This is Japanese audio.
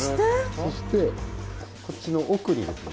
そしてこっちの奥にですね。